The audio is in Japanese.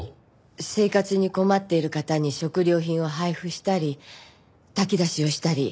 生活に困っている方に食料品を配布したり炊き出しをしたり。